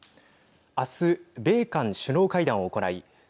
あす、米韓首脳会談を行い